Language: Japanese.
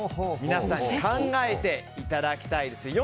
皆さん考えていただきたいです。